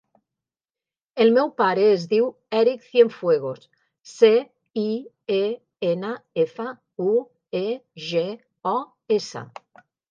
El meu pare es diu Èric Cienfuegos: ce, i, e, ena, efa, u, e, ge, o, essa.